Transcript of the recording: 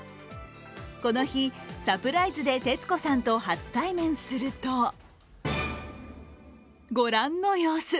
この日、サプライズで徹子さんと初対面するとご覧の様子。